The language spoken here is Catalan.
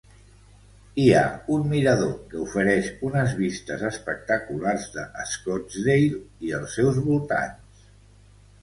Hi ha un mirador que ofereix unes vistes espectaculars de Scottsdale i els seus voltants.